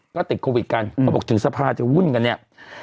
ก็ติดโควิดกันเขาบอกถึงสภาจะวุ่นกันเนี่ย